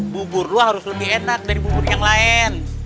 bubur lu harus lebih enak dari bubur yang lain